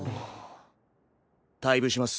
退部します。